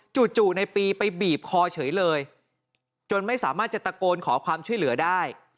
จู่ในปีไปบีบคอเฉยเลยจนไม่สามารถจะตะโกนขอความช่วยเหลือได้